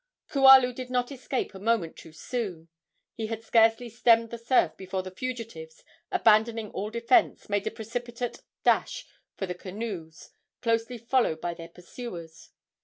Kualu did not escape a moment too soon. He had scarcely stemmed the surf before the fugitives, abandoning all defence, made a precipitate dash for the canoes, closely followed by their pursuers.